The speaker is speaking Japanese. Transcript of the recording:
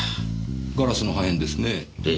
ガラスの破片ですねえ。